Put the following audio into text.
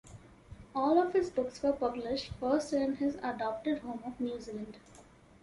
All of his books were published first in his adopted home of New Zealand.